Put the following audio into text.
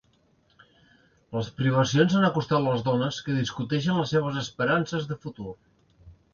Les privacions han acostat les dones, que discuteixen les seves esperances de futur.